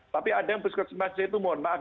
tapi ada yang puskesmasnya itu mohon maaf